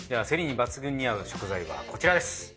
せりに抜群に合う食材はこちらです。